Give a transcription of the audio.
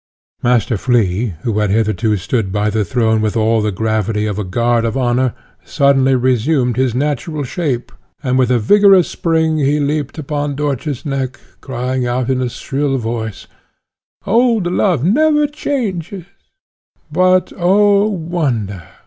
Master Flea, who had hitherto stood by the throne with all the gravity of a guard of honour, suddenly resumed his natural shape, and with a vigorous spring he leaped upon Dörtje's neck, crying out, in a shrill voice, "Old love never changes." But, oh wonder!